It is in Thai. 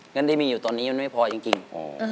เงินที่มีอยู่ตอนนี้มันไม่พอจริง